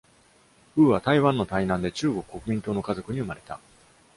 ウーは台湾の台南で中国国民党の家族に生まれた。